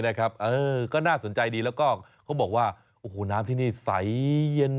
เออก็น่าสนใจดีแล้วก็เขาบอกว่าโอ้โหน้ำที่นี่ใสเย็น